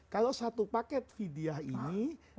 kalau satu paket vidiah ini